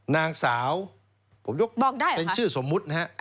นางสาวผมยกเป็นชื่อสมมุตินะครับ